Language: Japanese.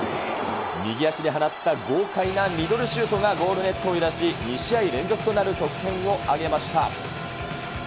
右足で放った豪快なミドルシュートがゴールネットを揺らし、２試合連続となる得点を挙げました。